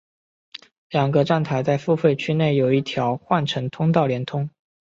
两个站台在付费区内有一条换乘通道连通。